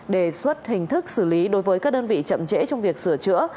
đề xuất hình thức xử lý đối với các đơn vị chậm trễ trong việc sửa chữa